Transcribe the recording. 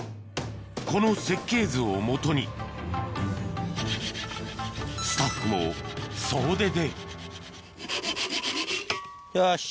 この設計図をもとにスタッフも総出でよし。